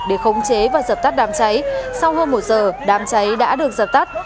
để khống chế và dập tắt đám cháy sau hơn một giờ đám cháy đã được dập tắt